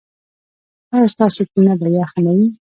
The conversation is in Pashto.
ایا ستاسو کینه به یخه نه وي؟